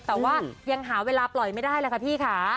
แต่ว่ายังหาเวลาปล่อยไม่ได้เลยค่ะพี่ค่ะ